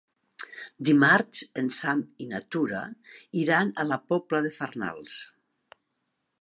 Dimarts en Sam i na Tura iran a la Pobla de Farnals.